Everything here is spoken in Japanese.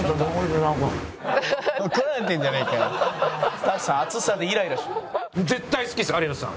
スタッフさん暑さでイライラしてる。